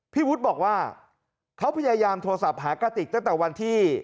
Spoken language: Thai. พี่วุฒิบอกว่าเขาพยายามโทรศัพท์หากติกตั้งแต่วันที่